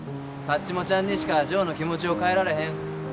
サッチモちゃんにしかジョーの気持ちを変えられへん。